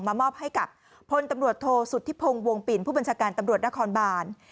มอบให้กับพลตำรวจโทษสุธิพงศ์วงปิ่นผู้บัญชาการตำรวจนครบาน